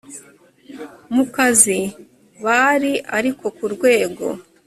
mu kazi bari ariko ku rwego